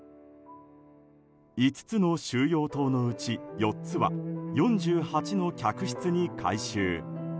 ５つの収容棟のうち、４つは４８の客室に改修。